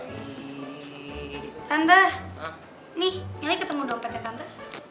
tanda nih ini ketemu dompetnya tante